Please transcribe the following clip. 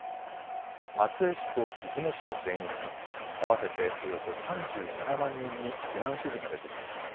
松江市と出雲市の全域合わせておよそ３７万人に避難指示が出ています。